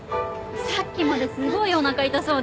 さっきまですごいおなか痛そうでさ。